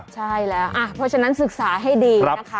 ใช่แล้วเพราะฉะนั้นศึกษาให้ดีนะคะ